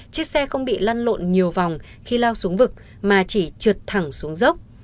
chiếc xe không bị lăn lộn nhiều vòng khi lao xuống vực mà chỉ trượt thẳng xuống dốc